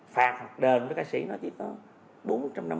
phạt đền với ca sĩ nó chỉ có